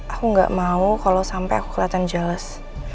aku ga mau kalo sampe aku keliatan jealous